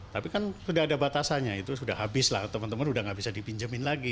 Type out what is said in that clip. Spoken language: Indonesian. tapi kan sudah ada batasannya itu sudah habis lah teman teman udah nggak bisa dipinjemin lagi